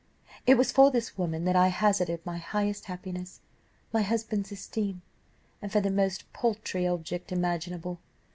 "It was for this woman that I hazarded my highest happiness my husband's esteem, and for the most paltry object imaginable.